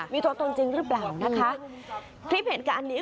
มีตัวตนจริงรึเปล่าคลิปเห็นกับอันนี้